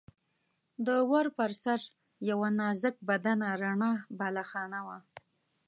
د ور پر سر یوه نازک بدنه رڼه بالاخانه وه.